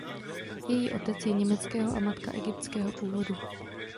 Její otec je německého a matka egyptského původu.